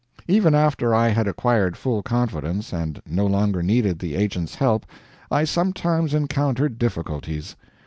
Even after I had acquired full confidence, and no longer needed the agent's help, I sometimes encountered difficulties.